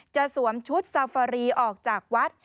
สวมชุดซาฟารีออกจากวัด